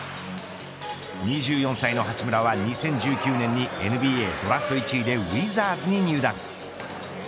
２４歳の八村は２０１９年にＮＢＡドラフト１位でウィザーズに入団。